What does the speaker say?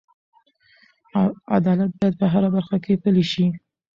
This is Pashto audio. عدالت باید په هره برخه کې پلی شي.